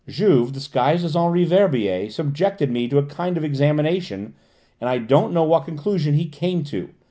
"Juve, disguised as Henri Verbier, subjected me to a kind of examination, and I don't know what conclusion he came to.